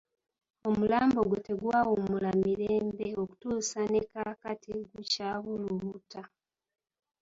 Omulambo gwe tegwawummula mirembe okutuusa ne kaakati gukyabulubuuta.